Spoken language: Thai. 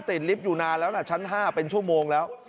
ลิฟต์อยู่นานแล้วล่ะชั้น๕เป็นชั่วโมงแล้ว